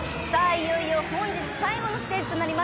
いよいよ本日最後のステージとなります。